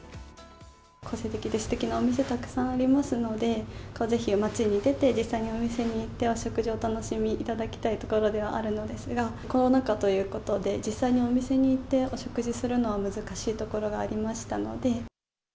個性的ですてきなお店、たくさんありますので、ぜひ街に出て、実際にお店に行って、お食事をお楽しみいただきたいところではあるんですが、コロナ禍ということで、実際にお店に行ってお食事するのは難しいところがありましたので。